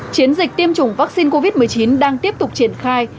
chiến dịch tiêm chủng vaccine covid một mươi chín đang tiếp tục triển khai